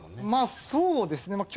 まあそうですね。